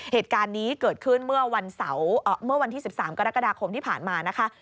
เหตุการณ์นี้เกิดขึ้นเมื่อวันที่๑๓กรกฎาคมที่ผ่านมานะคะ